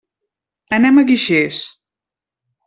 Anem a Guixers.